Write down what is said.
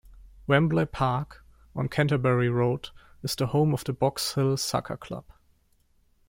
Wembley Park, on Canterbury Road, is the home of the Box Hill Soccer Club.